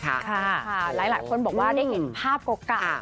ค่ะหลายคนบอกว่าได้เห็นภาพเก่า